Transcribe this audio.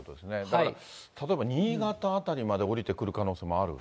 だから例えば新潟辺りまで下りてくる可能性もある？